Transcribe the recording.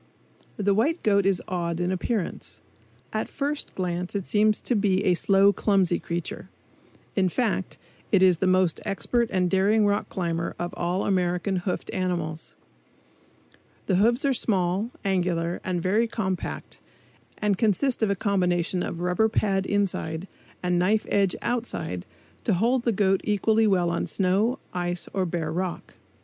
The white goat is odd in appearance. At first glance it seems to be a slow, clumsy creature; in fact, it is the most expert and daring rock climber of all American hoofed animals. The hoofs are small, angular and very compact and consist of a combination of rubber pad inside and knife edge outside to hold the goat equally well on snow, ice or bare rock.